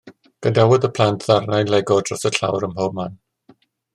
Gadawodd y plant ddarnau Lego dros y llawr ym mhob man.